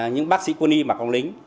những bác sĩ quân y mà không lính